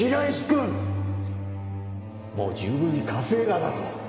もう十分に稼いだだろ。